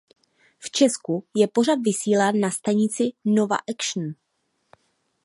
V Česku je pořad vysílán na stanici Nova Action.